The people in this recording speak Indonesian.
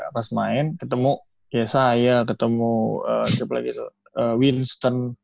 pas main ketemu ysi ketemu siapa lagi tuh winston